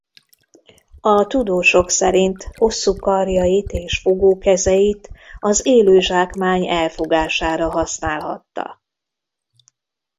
A tudósok szerint hosszú karjait és fogó kezeit az élő zsákmány elfogására használhatta.